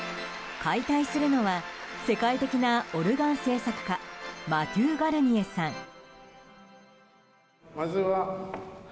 解体するのは世界的なオルガン製作家マテュー・ガルニエさん。